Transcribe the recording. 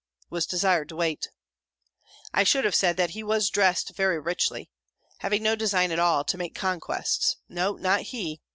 Was desired to wait. I should have said, that he was dressed very richly having no design at all to make conquests; no, not he!